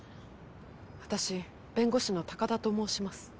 私弁護士の高田と申します。